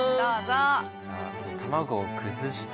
じゃあこの卵を崩して。